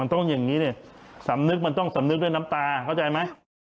ต้องอย่างนี้ดิสำนึกมันต้องสำนึกด้วยน้ำตาเข้าใจไหม